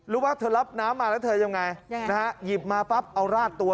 ว่าเธอรับน้ำมาแล้วเธอยังไงนะฮะหยิบมาปั๊บเอาราดตัว